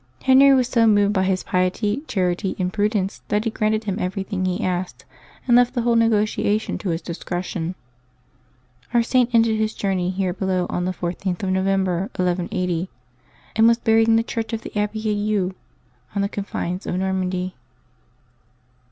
Henry was so moved by his piety, charity, and prudence that he granted him everything he asked, and left the whole negotiation to his discretion. Our Saint ended his journey here below on the 14th of November, 1180, and was buried in the church of the abbey at Eu, on the confines of Normandy.